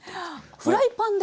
フライパンで？